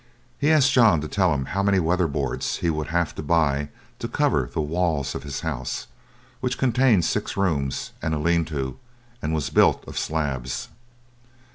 He asked John to tell him how many weatherboards he would have to buy to cover the walls of his house, which contained six rooms and a lean to, and was built of slabs.